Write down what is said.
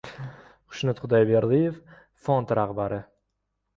Xushnud Xudoyberdiev — fond rahbari